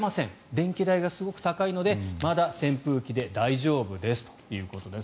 電気代がすごく高いのでまだ扇風機で大丈夫ですということです。